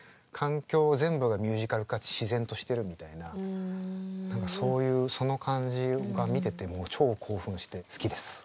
環境全部がミュージカルかつ自然としてるみたいな何かそういうその感じが見ててもう超興奮して好きです。